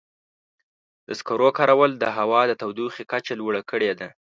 د سکرو کارول د هوا د تودوخې کچه لوړه کړې ده.